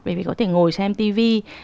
bởi vì có thể ngồi xem tv